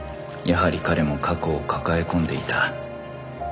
やはり彼も過去を抱え込んでいた